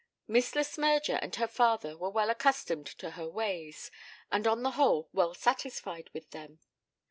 Miss Le Smyrger and her father were well accustomed to her ways, and on the whole well satisfied with them.